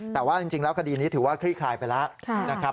แต่ว่าจริงแล้วคดีนี้ถือว่าคลี่คลายไปแล้วนะครับ